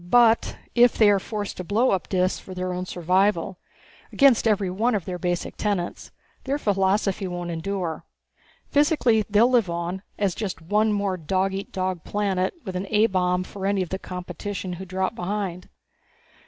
But if they are forced to blow up Dis for their own survival against every one of their basic tenets their philosophy won't endure. Physically they'll live on, as just one more dog eat dog planet with an A bomb for any of the competition who drop behind."